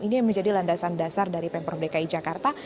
ini yang menjadi landasan dasar dari pemprov dki jakarta